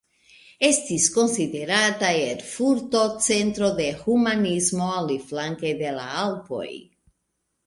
Estis konsiderata Erfurto centro de humanismo aliflanke de la Alpoj.